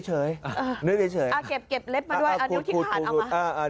เก็บเล็บมาด้วยเอานิ้วที่ขาดเอามา